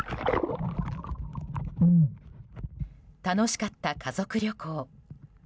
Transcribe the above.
楽しかった家族旅行。